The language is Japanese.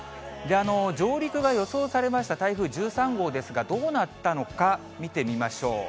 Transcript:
上陸が予想されました台風１３号ですが、どうなったのか見てみましょう。